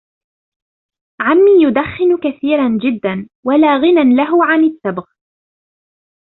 عمي يدخن كثيرًا جدا ، ولا غنى له عن التبغ.